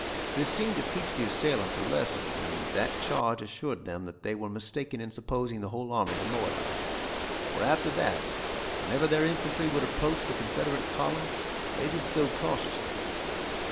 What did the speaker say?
This seemed to teach the assailants a lesson, and that charge assured them that they were mistaken in supposing the whole army demoralised, for after that whenever their infantry would approach the Confederate column they did so cautiously.